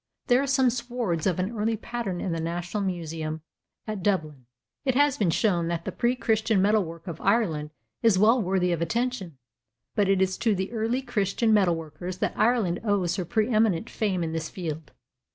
There are some swords of an early pattern in the National Museum at Dublin. It has been shown that the pre Christian metalwork of Ireland is well worthy of attention, but it is to the early Christian metalworkers that Ireland owes her pre eminent fame in this field.